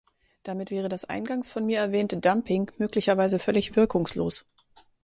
Damit wäre das eingangs von mir erwähnte Dumping möglicherweise völlig wirkungslos.